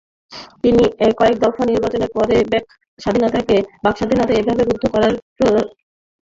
একটি একতরফা নির্বাচনের পরে বাকস্বাধীনতাকে এভাবে রুদ্ধ করার প্রবণতা শুভ নয়।